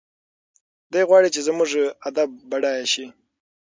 دی غواړي چې زموږ ادب بډایه شي.